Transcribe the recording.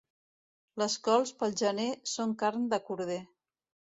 Les cols, pel gener, són carn de corder.